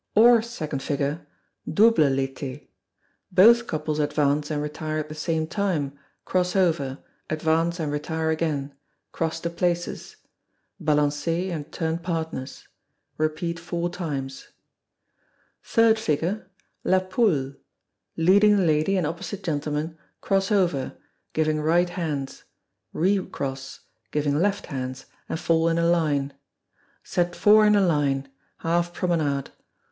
Or Double L'Été. Both couples advance and retire at the same time; cross over; advance and retire again; cross to places. Balancez and turn partners. (Four times.) Third Figure, La Poule. Leading lady and opposite gentleman cross over, giving right hands; recross, giving left hands, and fall in a line. Set four in a line; half promenade.